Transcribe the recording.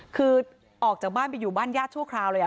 คือออกจากบ้านไปอยู่บ้านญาติชั่วคราวเลย